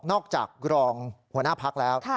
อกจากรองหัวหน้าพักแล้ว